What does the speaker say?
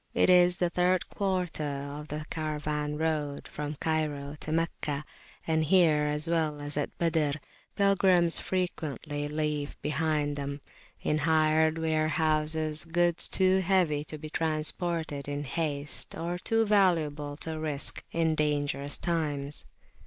It is the third quarter of the caravan road[FN#2] from Cairo to Meccah; and here, as well as at Al Badr, pilgrims frequently leave behind them, in hired warehouses, goods too heavy to be transported in haste, or too valuable to risk in dangerous times.